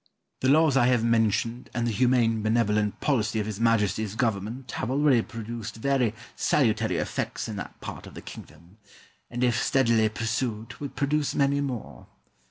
Argyle. The laws I have mentioned and the humane benevolent policy of His Majesty's Government have already produced very salutary effects in that part of the kingdom, and, if steadily pursued, will produce many more.